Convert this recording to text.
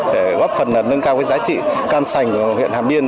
để góp phần là nâng cao cái giá trị cam sành của huyện hàm yên